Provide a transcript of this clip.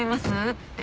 って。